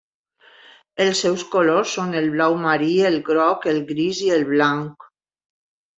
Els seus colors són el blau marí, el groc, el gris i el blanc.